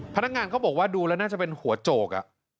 พนักงานเขาบอกว่าดูแล้วน่าจะเป็นหัวโจก